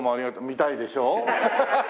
見たいでしょ？